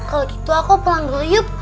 kalau gitu aku pulang dulu yuk